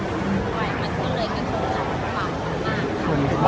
ช่องความหล่อของพี่ต้องการอันนี้นะครับ